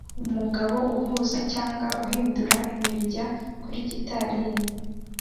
Umugabo uhuza cyangwa uhindura imirya kuri gitari ye